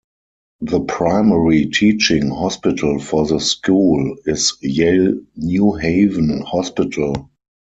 The primary teaching hospital for the school is Yale-New Haven Hospital.